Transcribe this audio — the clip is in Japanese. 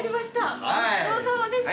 ごちそうさまでした！